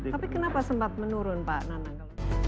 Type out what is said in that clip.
tapi kenapa sempat menurun pak nanang